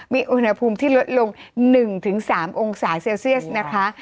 มีอุณหภูมิที่ลดลง๑๓องศาเซลเซียสนะคะ